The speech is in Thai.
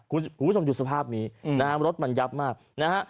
คุณผู้ชมดูสภาพนี้นะฮะรถมันยับมากนะฮะ